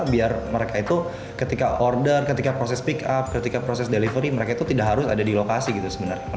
biar mereka itu ketika order ketika proses pick up ketika proses delivery mereka itu tidak harus ada di lokasi gitu sebenarnya